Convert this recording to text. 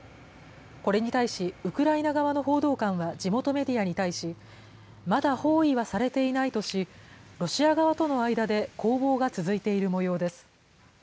これに対しウクライナ側の報道官は地元メディアに対し、まだ包囲はされていないとし、ロシア側との間で攻防が続いているもようです。